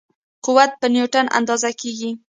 قوت په نیوټن اندازه کېږي.